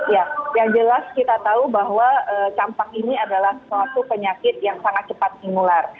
ya yang jelas kita tahu bahwa campak ini adalah suatu penyakit yang sangat cepat simular